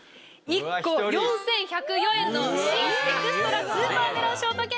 １個４１０４円の新エクストラスーパーメロンショートケーキ